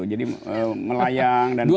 jadi melayang dan berpulih pulih